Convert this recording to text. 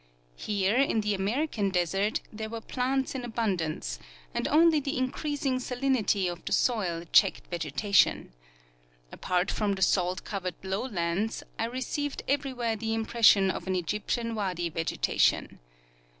Here in the American desert there Avere plants in abundance, and only the increasing salinity of the soil checked vegetation. Apart from the salt covered lowlands, I received everywhere the impression of an Egyptian wadi vegetation.